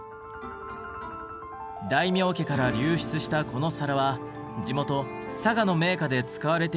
大名家から流出したこの皿は地元佐賀の名家で使われていたといいます。